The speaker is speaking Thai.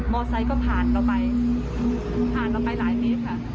ไซค์ก็ผ่านเราไปผ่านเราไปหลายเมตรค่ะ